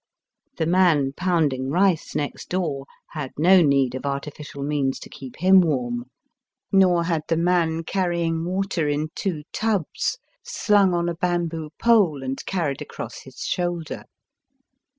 The man pounding rice next door had no need of artificial means to keep him warm, nor had the man .carrying water in two tubs slung on a bamboo pole and carried across his shoulder.